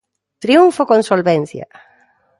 Triunfo con solvencia.